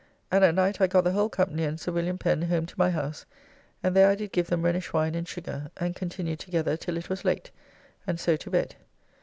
And at night I got the whole company and Sir Wm. Pen home to my house, and there I did give them Rhenish wine and sugar, and continued together till it was late, and so to bed.